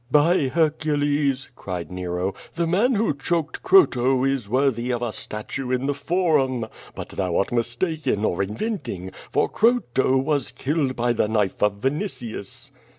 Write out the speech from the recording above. , "By Hercules!" cried Nero, "the man who choked Croto is worthy of a statue in the Forum. But thou art mistaken or inventing, for Croto was killed by the knife of Vinitius."